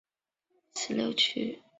人类博物馆位于巴黎十六区。